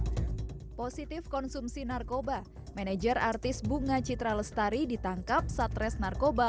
hai positif konsumsi narkoba manajer artis bunga citra lestari ditangkap satres narkoba